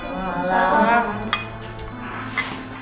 aku katakan sama somber